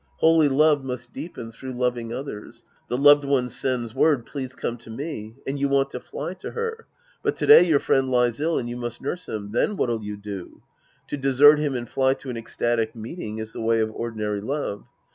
Holy love must deepen through loving others. The loved one sends word, " Please come to me." And you want to fly to her. But to day your friend lies ill and you must nurse him ; then what'll you do ? To desert liim and fly to an ecstatic meeting is the way of ordinary love.